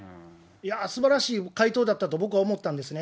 すばらしい回答だったと僕は思ったんですね。